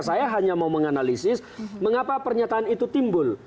saya hanya mau menganalisis mengapa pernyataan itu timbul